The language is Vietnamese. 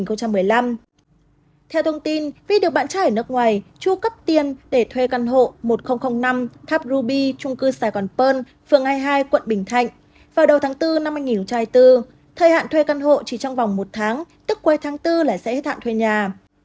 theo thông tin vi được bạn trai ở nước ngoài chu cấp tiền để thuê căn hộ một nghìn năm tháp ruby trung cư sài gòn pơn phường hai mươi hai quận bình thạnh vào đầu tháng bốn năm hai nghìn hai mươi bốn thời hạn thuê căn hộ chỉ trong vòng một tháng tức cuối tháng bốn là sẽ hết hạn thuê nhà